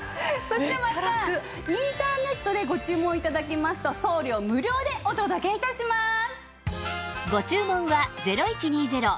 そしてまたインターネットでご注文頂きますと送料無料でお届け致します。